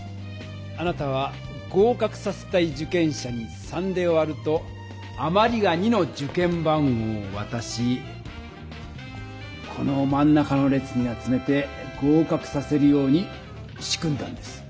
あなたは合かくさせたい受験者に３で割るとあまりが２の受験番号をわたしこのまん中の列に集めて合かくさせるように仕組んだんです。